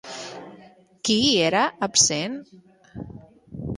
Qui hi era absent?